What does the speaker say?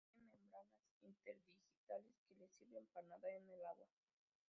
Posee membranas interdigitales que le sirven para nadar en el agua.